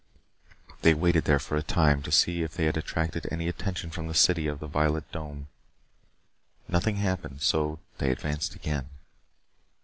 They waited there for a time to see if they had attracted any attention from the city of the violet dome. Nothing happened, so they advanced again.